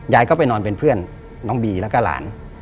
ยายก็ไปนอนเป็นเพื่อนน้องบีแล้วก็หลาน